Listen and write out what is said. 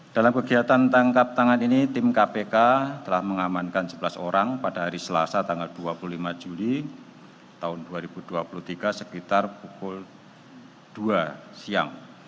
dalam kegiatan tangkap tangan ini tim kpk telah mengamankan sebelas orang pada hari selasa tanggal dua puluh lima juli tahun dua ribu dua puluh tiga sekitar pukul dua siang